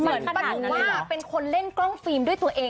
หมายถึงว่าเป็นคนเล่นกล้องฟิล์มด้วยตัวเอง